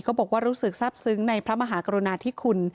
บอกว่ารู้สึกทราบซึ้งในพระมหากรุณาธิคุณ